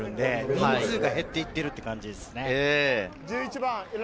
人数が減っていってる感じですね。